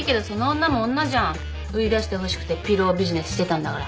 売り出してほしくてピロービジネスしてたんだから。